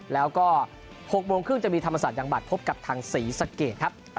แล้วก็๖โมงครึ่งจะมีธรรมศาสตร์ยังบัตรพบกับทางศรีสะเกดครับ